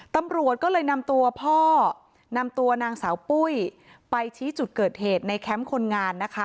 ตำรวจก็เลยนำตัวพ่อนำตัวนางสาวปุ้ยไปชี้จุดเกิดเหตุในแคมป์คนงานนะคะ